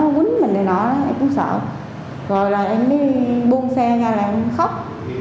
rồi là em đi buông xe ra là em khóc